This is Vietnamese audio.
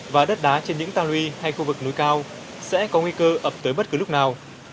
và đất đá trên những ta luy hay khu vực núi cao sẽ có nguy cơ ập tới bất cứ lúc nào